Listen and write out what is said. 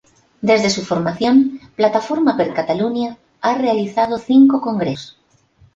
Desde su formación, Plataforma per Catalunya ha realizado cinco congresos.